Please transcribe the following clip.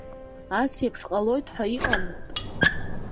Ас еиԥш ҟалоит ҳәа иҟамызт.